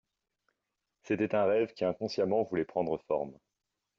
C'était un rêve qui inconsciemment voulait prendre forme.